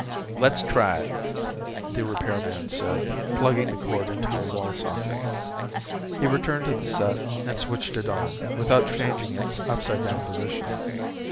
"Let's try it," the repairman said, plugging the cord into a wall socket. He returned to the set, and switched it on, without changing its upside down position.